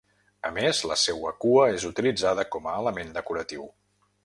A més, la seua cua és utilitzada com a element decoratiu.